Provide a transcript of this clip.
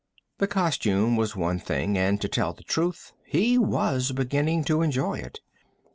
The costume was one thing, and, to tell the truth, he was beginning to enjoy it.